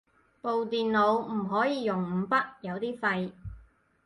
部電腦唔可以用五筆，有啲廢